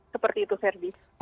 seperti itu ferdi